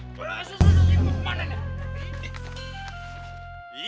masuk masuk ikut kemana nih